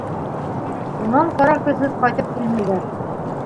Унан ҡара көҙһөҙ ҡайтып килмәйҙәр.